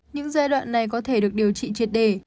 những giai đoạn này có thể được điều trị triệt đề